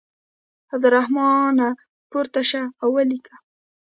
عبدالرحمانه پورته شه او ولیکه.